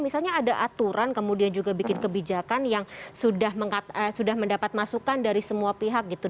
misalnya ada aturan kemudian juga bikin kebijakan yang sudah mendapat masukan dari semua pihak gitu